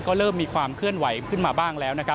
ก็เริ่มมีความเคลื่อนไหวขึ้นมาบ้างแล้วนะครับ